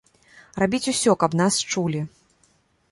Рабіць усё, каб нас чулі.